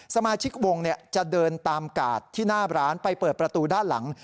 สมาชิกวงจะเดินตามกาดที่หน้าร้านไปเปิดประตูด้านหลัง